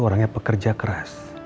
orangnya pekerja keras